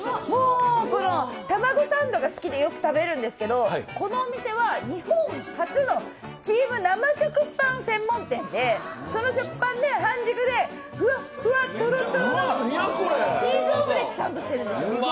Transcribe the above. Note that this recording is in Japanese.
卵サンドが好きでよく食べるんですけどこのお店は日本初のスチーム生食パン専門店で、その食パンで半熟でフワフワとろとろのチーズオムレツサンドにしてるんです。